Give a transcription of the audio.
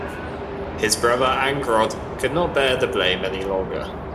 His brother Angrod could not bear the blame any longer.